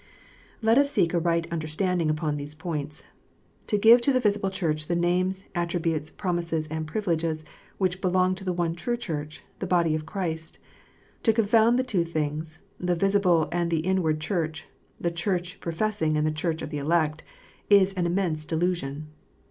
* Let us seek a right understanding upon these points. To give to the visible Church the names, attributes, promises, and privileges which belong to the one true Church, the body of Christ \ to confound the two things, the visible and the inward Church, the Church professing and the Church of the elect, is an immense delusion.